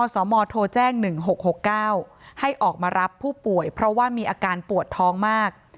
สมโทรแจ้ง๑๖๖๙ให้ออกมารับผู้ป่วยเพราะว่ามีอาการปวดท้องมาก